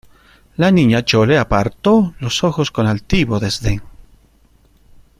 la Niña Chole apartó los ojos con altivo desdén: